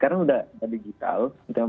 karena sudah digital